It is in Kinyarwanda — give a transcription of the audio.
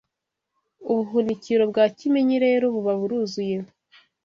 ubuhunikiro bwa Kimenyi rero buba buruzuye